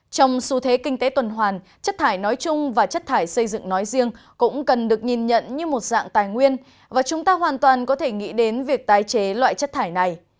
trong xu thế kinh tế tuần hoàn chất thải nói chung và chất thải xây dựng nói riêng cũng cần được nhìn nhận như một dạng tài nguyên và chúng ta hoàn toàn có thể nghĩ đến việc tái chế loại chất thải này